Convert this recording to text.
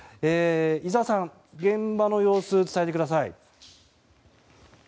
井澤さん、現場の様子を伝えてください。